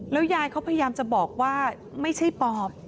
ยายเขาพยายามจะบอกว่าไม่ใช่ปอบ